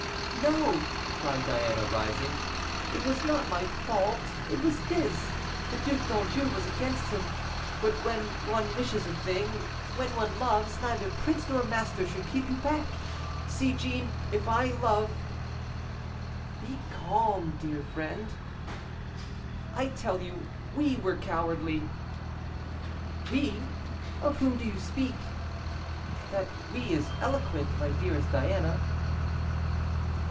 "No," cried Diana, rising, "it was not my fault, it was his. The Duc d'Anjou was against him; but when one wishes a thing, when one loves, neither prince nor master should keep you back. See, Jeanne, if I loved " "Be calm, dear friend." "I tell you, we were cowardly." "'We!' of whom do you speak? That 'we' is eloquent, my dearest Diana."